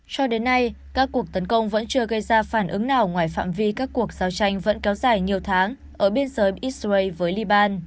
cho đến nay các cuộc tấn công vẫn chưa gây ra phản ứng nào ngoài phạm vi các cuộc giao tranh vẫn kéo dài nhiều tháng ở biên giới israel với liban